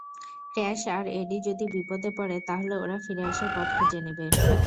Crash আর Eddie যদি বিপদে পড়ে, তাহলে ওরা ফিরে আসার পথ খুঁজে নেবে।